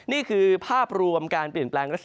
ในภาคฝั่งอันดามันนะครับ